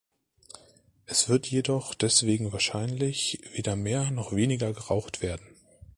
Es wird jedoch deswegen wahrscheinlich weder mehr noch weniger geraucht werden.